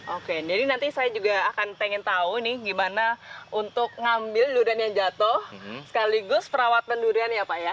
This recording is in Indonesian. oke jadi nanti saya juga akan pengen tahu nih gimana untuk ngambil durian yang jatuh sekaligus perawat pendurian ya pak ya